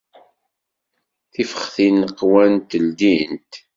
Tifextin qwant ldint.